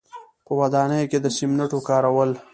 په ودانیو کې د سیمنټو کارول.